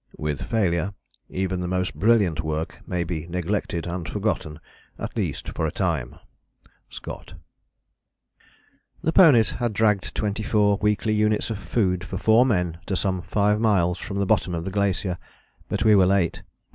With failure even the most brilliant work may be neglected and forgotten, at least for a time. SCOTT. II. THE BEARDMORE GLACIER The ponies had dragged twenty four weekly units of food for four men to some five miles from the bottom of the glacier, but we were late.